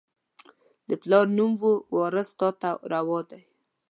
د پلار نوم او، وراث تا ته روا دي